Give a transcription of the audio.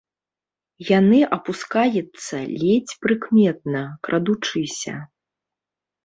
Яны апускаецца ледзь прыкметна, крадучыся.